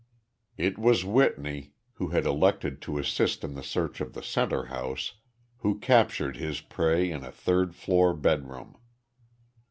It was Whitney, who had elected to assist in the search of the center house, who captured his prey in a third floor bedroom.